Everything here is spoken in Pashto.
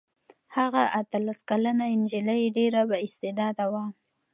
هغه اتلس کلنه نجلۍ ډېره بااستعداده وه.